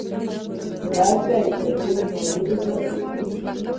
بس دی؛ په ډېرو نارو دې کدو کړم.